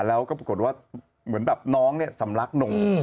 แล้วก็ปรากฏว่าเหมือนแบบน้องเนี่ยสำลักนม